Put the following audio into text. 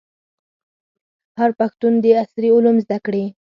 هر پښتون دي عصري علوم زده کړي.